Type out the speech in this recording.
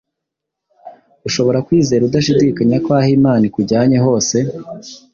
Ushobora kwizera udashidikanya ko aho Imana ikujyanye hose,